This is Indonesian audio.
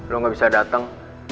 lo gak bisa dateng